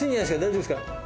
大丈夫ですか？